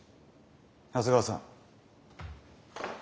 長谷川さん。